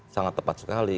sangat tepat sekali